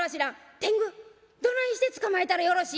「天狗どないして捕まえたらよろしい？」。